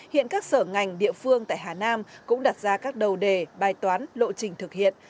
hiện các sở ngành địa phương tại hà nam cũng đặt ra các đầu đề bài toán lộ trình thực hiện